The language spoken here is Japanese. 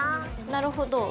なるほど。